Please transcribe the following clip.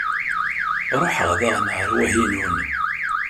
Ruḥeɣ daɣen ɣer Wahinun.